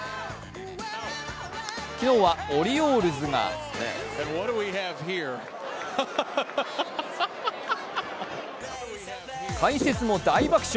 今日はオリオールズが解説も大爆笑。